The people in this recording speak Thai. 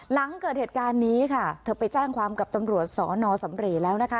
หลังเกิดเหตุการณ์นี้ค่ะเธอไปแจ้งความกับตำรวจสอนอสำเรย์แล้วนะคะ